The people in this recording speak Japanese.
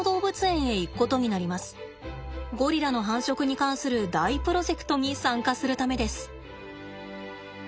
ゴリラの繁殖に関する大プロジェクトに参加するためです。